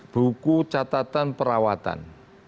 buku catatan perawatan